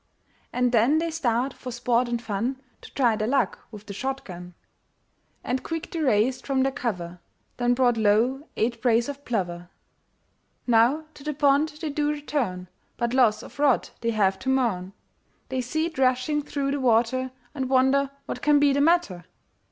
And then they start for sport and fun, To try their luck with the shot gun, And quick they raised from their cover, Then brought low eight brace of plover. Now to the pond they do return, But loss of rod they have to mourn, They see it rushing through the water, And wonder what can be the matter.